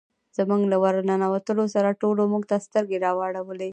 زموږ له ور ننوتلو سره ټولو موږ ته سترګې را واړولې.